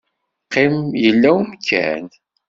Qqim, yella umkan.